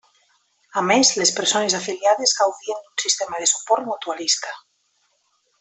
A més, les persones afiliades gaudien d'un sistema de suport mutualista.